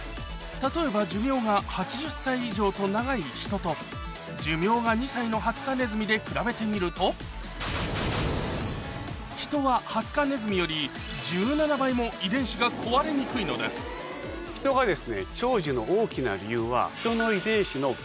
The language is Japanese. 例えば寿命が８０歳以上と長いヒトと寿命が２歳のハツカネズミで比べてみるとヒトはハツカネズミより遺伝子がヒトが長寿の大きな理由はヒトの。